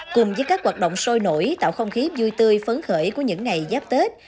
cùng với các hoạt động sôi nổi tạo không khí vui tươi phấn khởi của những ngày giáp tết